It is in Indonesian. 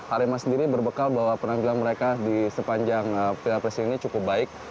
arema sendiri berbekal bahwa penampilan mereka di sepanjang pilpres ini cukup baik